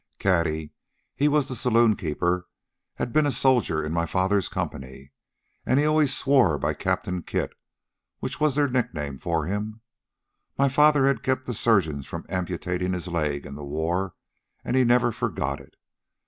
Cady he was the saloonkeeper had been a soldier in my father's company, and he always swore by Captain Kit, which was their nickname for him. My father had kept the surgeons from amputating his leg in the war, and he never forgot it.